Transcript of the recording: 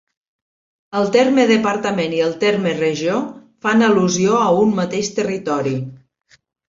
El terme Departament i el terme Regió fan al·lusió a un mateix territori.